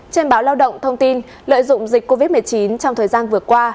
trên báo lao động thông tin lợi dụng dịch covid một mươi chín trong thời gian vừa qua